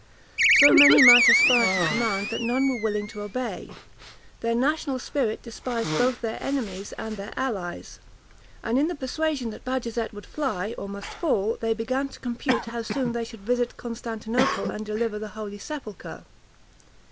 So many might aspire to command, that none were willing to obey; their national spirit despised both their enemies and their allies; and in the persuasion that Bajazet would fly, or must fall, they began to compute how soon they should visit Constantinople and deliver the holy sepulchre.